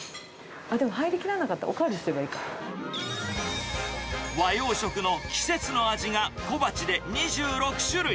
でも入りきらなかったらお代わり和洋食の季節の味が小鉢で２６種類。